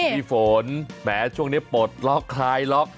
พี่ฝนแหมช่วงนี้ปลดล็อกคลายล็อก